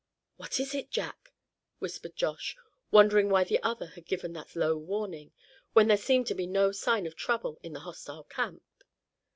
"What was it, Jack?" whispered Josh, wondering why the other had given that low warning, when there seemed to be no sign of trouble in the hostile camp.